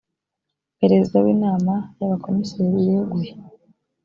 perezida w ‘inama y’ abakomiseri yeguye.